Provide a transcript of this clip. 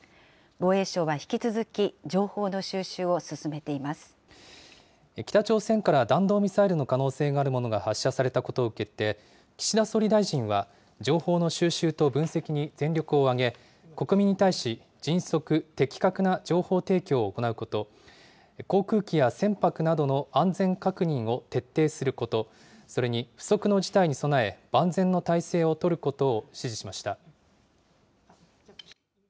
防衛省は引き続き、情報の収集を北朝鮮から弾道ミサイルの可能性があるものが発射されたことを受けて、岸田総理大臣は、情報の収集と分析に全力を挙げ、国民に対し、迅速、的確な情報提供を行うこと、航空機や船舶などの安全確認を徹底すること、それに不測の事態に備え、万全の態勢を取ることを指示しました。